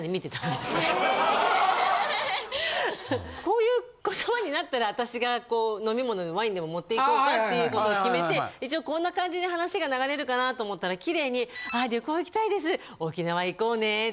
こういう言葉になったら私が飲み物ワインでも持っていこうかっていうことを決めて一応こんな感じに話が流れるかなと思ったらキレイに。